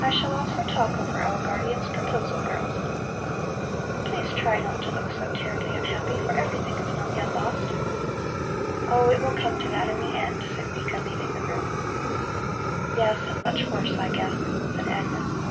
I shall also talk over our guardian's proposal, girls. Please try not to look so terribly unhappy, for everything is not yet lost." "Oh, it will come to that in the end," said Nika, leaving the room. "Yes, and much worse, I guess," said Agnes.